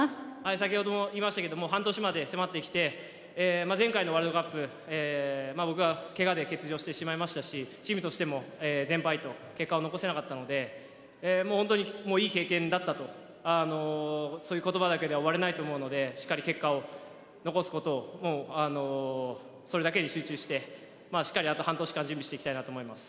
先ほども言いましたけど半年まで迫ってきて前回のワールドカップ僕は怪我で欠場してしまいましたしチームとしても全敗と結果を残せなかったのでもう本当に、いい経験だったとそういう言葉だけでは終われないと思うのでしっかり結果を残すことをそれだけに集中してしっかりあと半年間準備していきたいなと思います。